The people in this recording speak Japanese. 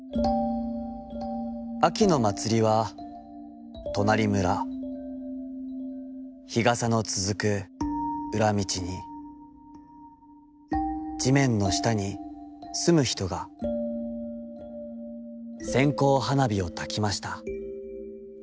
秋のまつりはとなり村、日傘のつづく裏みちに、地面のしたに棲むひとが、線香花火をたきました。